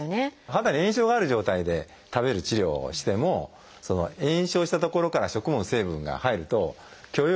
肌に炎症がある状態で食べる治療をしても炎症したところから食物の成分が入ると許容量を下げてしまいますので。